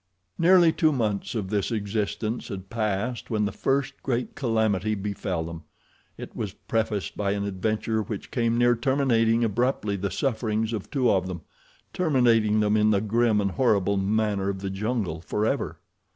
Nearly two months of this existence had passed when the first great calamity befell them. It was prefaced by an adventure which came near terminating abruptly the sufferings of two of them—terminating them in the grim and horrible manner of the jungle, forever.